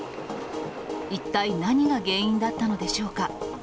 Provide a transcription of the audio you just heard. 一体何が原因だったのでしょうか。